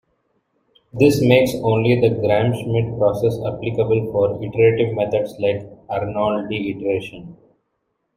This makes only the Gram-Schmidt process applicable for iterative methods like the Arnoldi iteration.